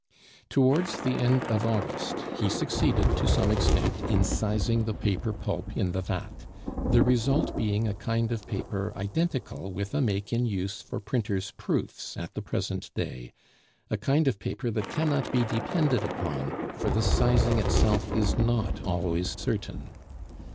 Towards the end of August he succeeded to some extent in sizing the paper pulp in the vat; the result being a kind of paper identical with a make in use for printers' proofs at the present day a kind of paper that cannot be depended upon, for the sizing itself is not always certain.